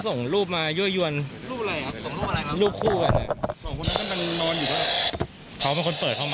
ส่งคุณแล้วมันมันนอนอยู่ด้วย